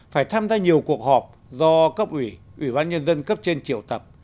phải tham gia nhiều cuộc họp do cấp ủy ủy ban nhân dân cấp trên triệu tập